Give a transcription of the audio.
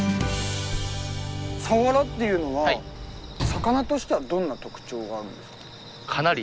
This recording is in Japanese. サワラっていうのは魚としてはどんな特徴があるんですか？